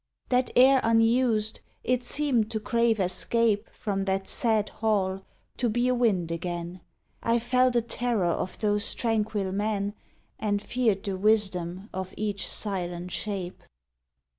20 CONSPIRACY That air unused, it seemed to crave escape From that sad hall, to be a wind again. I felt a terror of those tranquil men, And feared the wisdom of each silent shape.